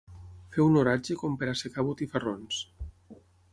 Fer un oratge com per assecar botifarrons.